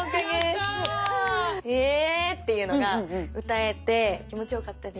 えっていうのが歌えて気持ちよかったです。